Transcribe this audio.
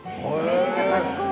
めっちゃ賢い。